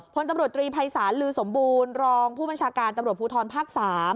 พลตำรวจตรีภัยศาลลือสมบูรณ์รองผู้บัญชาการตำรวจภูทรภาค๓